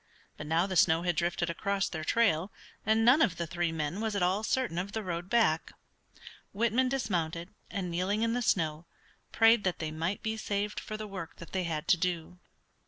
But now the snow had drifted across their trail, and none of the three men was at all certain of the road back. Whitman dismounted, and kneeling in the snow, prayed that they might be saved for the work that they had to do.